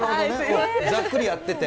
ざっくりやってて。